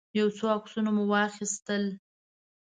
يو څو عکسونه مو واخيستل.